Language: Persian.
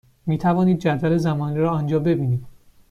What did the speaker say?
می توانید جدول زمانی را آنجا ببینید.